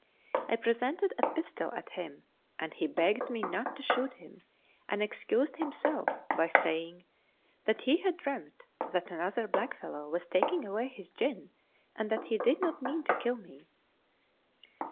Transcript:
I presented a pistol at him, arid he begged me not to shoot him, and excused himself by saying that he had dreamt that another blackfellow was taking away his gin, and that he did not mean to kill me.